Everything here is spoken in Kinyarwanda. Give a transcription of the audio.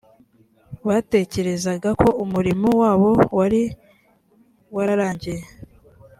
batekerezaga ko umurimo wabo wari wararangiye